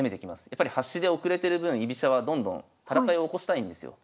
やっぱり端で遅れてる分居飛車はどんどん戦いを起こしたいんですよ。